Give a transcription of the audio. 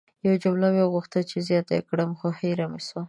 یوه جمله مې غوښتل چې زیاته ېې کړم خو هیره مې سوه!